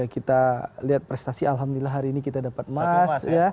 kita lihat prestasi alhamdulillah hari ini kita dapat emas